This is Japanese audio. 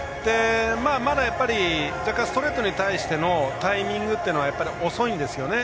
まだやっぱり若干ストレートに対してのタイミングというのは遅いんですよね。